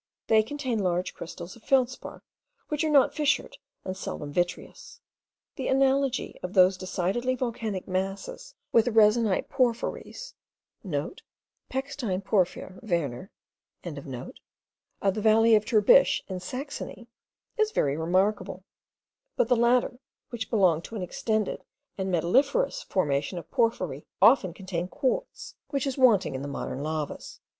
They contain large crystals of feldspar, which are not fissured, and seldom vitreous. The analogy of those decidedly volcanic masses with the resinite porphyries* (* Pechstein porphyr. Werner.) of the valley of Tribisch in Saxony is very remarkable; but the latter, which belong to an extended and metalliferous formation of porphyry, often contain quartz, which is wanting in the modern lavas.